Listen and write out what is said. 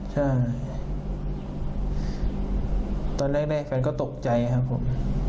ใช่ตอนแรกแฟนก็ตกใจครับผม